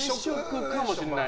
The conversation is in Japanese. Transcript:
偏食かもしれない。